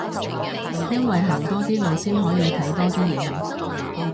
因為行多啲路先可以睇多啲嘢